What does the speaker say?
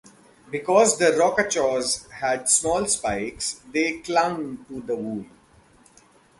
Because the rock-a-chaws had small spikes, they clung to the wool.